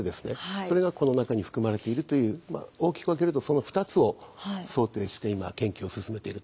それがこの中に含まれているというまあ大きく分けるとその２つを想定して今研究を進めているところです。